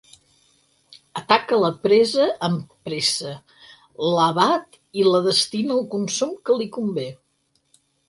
Ataca la presa amb pressa, l'abat i la destina al consum que li convé.